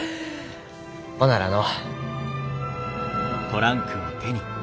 ほんならの。